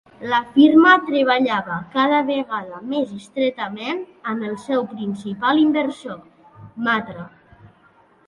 La firma treballava cada vegada més estretament amb el seu principal inversor: Matra.